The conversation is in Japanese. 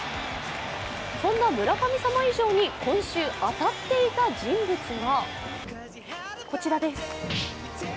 そんな村神様以上に今週当たっていた人物がこちらです。